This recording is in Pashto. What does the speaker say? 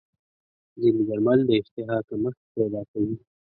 ځینې درمل د اشتها کمښت پیدا کوي.